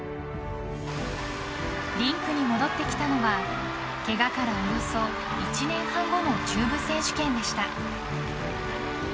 リンクに戻ってきたのはケガからおよそ１年半後の中部選手権でした。